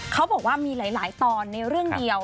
เขาบอกว่ามีหลายตอนในเรื่องเดียว